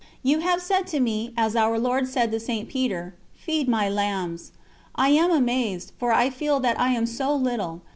You have said to me, as Our Lord said to St. Peter: "Feed my lambs." I am amazed, for I feel that I am so little.